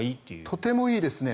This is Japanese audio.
とてもいいですね。